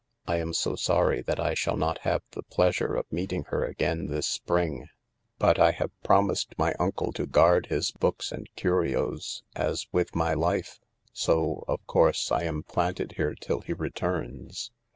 I am so sorry that I shall not have the pleasure of meeting her again this spring, but I have promised my uncle to guard his books and curios as with my life, so, of course, I am planted here till he returns.